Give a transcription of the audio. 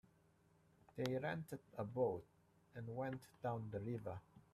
They rented a boat and went down the river.